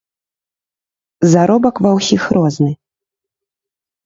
Заробак ва ўсіх розны.